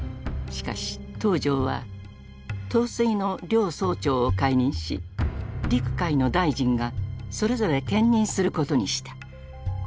しかし東條は統帥の両総長を解任し陸海の大臣がそれぞれ兼任することにした。